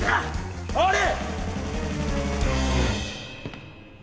あれ！